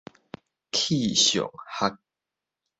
氣象學